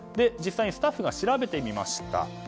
実際にスタッフが調べてみました。